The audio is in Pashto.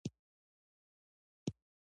د یو جریب ځمکې لپاره څومره د غنمو تخم پکار دی؟